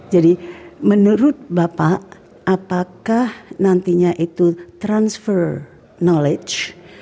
jadi menurut bapak apakah nantinya itu transfer knowledge